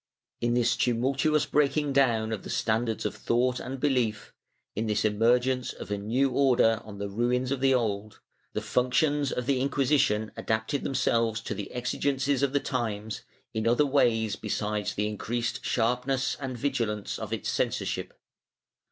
In this tumultuous breaking down of the standards of thought and belief, in this emergence of a new order on the ruins of the old, the functions of the Inquisition adapted themselves to the exigencies of the times, in other ways besides the increased sharp ness and vigilance of its censorship.